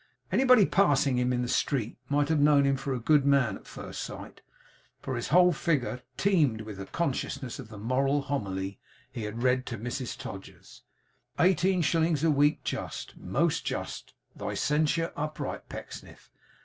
Anybody passing him in the street might have known him for a good man at first sight; for his whole figure teemed with a consciousness of the moral homily he had read to Mrs Todgers. Eighteen shillings a week! Just, most just, thy censure, upright Pecksniff!